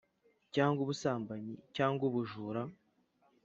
cyangwa ubusambanyi cyangwa ubujura.